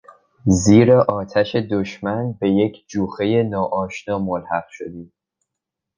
زیر آتش دشمن به یک جوخهی ناآشنا ملحق شدیم.